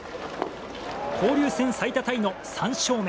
交流戦最多タイの３勝目。